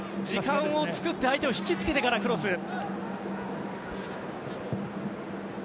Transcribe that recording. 時間を作って相手を引きつけてからクロス。